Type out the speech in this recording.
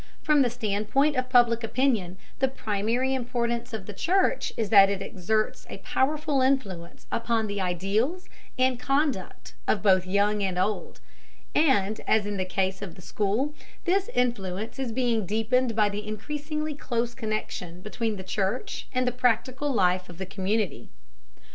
From the standpoint of Public Opinion, the primary importance of the church is that it exerts a powerful influence upon the ideals and conduct of both young and old. And as in the case of the school, this influence is being deepened by the increasingly close connection between the church and the practical life of the community.